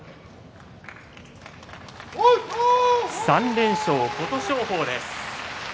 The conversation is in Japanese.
３連勝、琴勝峰です。